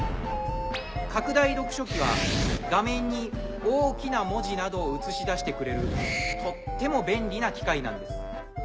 拡大読書器は画面に大きな文字などを映し出してくれるとっても便利な機械なんです。